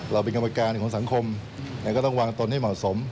เป็นกรรมการของสังคมแต่ก็ต้องวางตนให้เหมาะสม